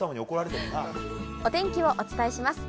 お天気をお伝えします。